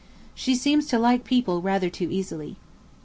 She seems to like people rather too easily.